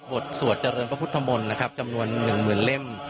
บทสวดเจริญพระพุทธธรรมนตร์นะครับจำนวนหนึ่งหมื่นเล่ม